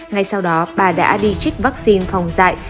ngay sau đó bà đã đi trích vaccine phòng dạy